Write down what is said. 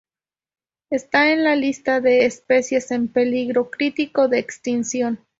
Está en la lista de especies en peligro crítico de extinción.